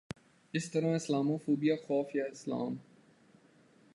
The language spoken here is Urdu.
اس طرح اسلامو فوبیا خوف یا اسلام